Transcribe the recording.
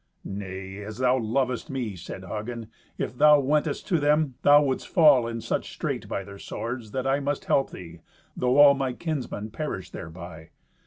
"Nay, as thou lovest me," said Hagen. "If thou wentest to them, thou wouldst fall in such strait by their swords that I must help thee, though all my kinsmen perished thereby.